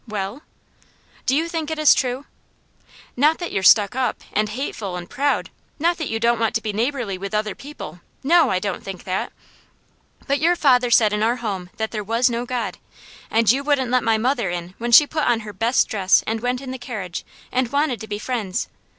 "Well?" "Do you think it is true?" "Not that you're stuck up, and hateful and proud, not that you don't want to be neighbourly with other people, no, I don't think that. But your father said in our home that there was no God, and you wouldn't let my mother in when she put on her best dress and went in the carriage, and wanted to be friends.